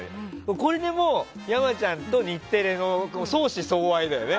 これでもう山ちゃんと日テレの相思相愛だよね。